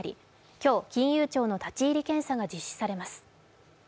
今日、金融庁の立ち入り検査が実施されます。